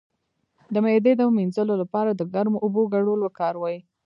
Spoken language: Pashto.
د معدې د مینځلو لپاره د ګرمو اوبو ګډول وکاروئ